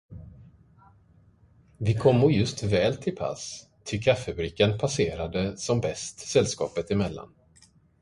Vi kommo just väl till pass, ty kaffebrickan passerade som bäst sällskapet emellan.